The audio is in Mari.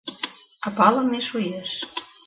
А палыме шуэш.